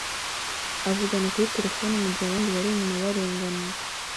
avugana kuri terefone mugihe abandi bari inyuma barengana